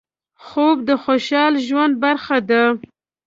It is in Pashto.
خوب د خوشحال ژوند برخه ده